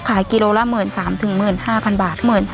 ขายกิโลล่ะ๑๓๑๕๐๐๐บาท